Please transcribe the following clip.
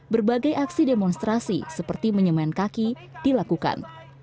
berbagai aksi demonstrasi seperti menyemen kaki dilakukan